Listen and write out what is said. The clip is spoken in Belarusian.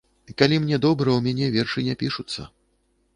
Калі мне добра, у мяне вершы не пішуцца.